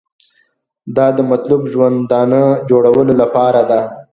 دا د مطلوب ژوندانه جوړولو لپاره ده.